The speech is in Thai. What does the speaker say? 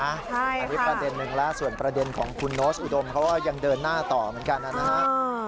อันนี้ประเด็นหนึ่งแล้วส่วนประเด็นของคุณโน้ตอุดมเขาก็ยังเดินหน้าต่อเหมือนกันนะครับ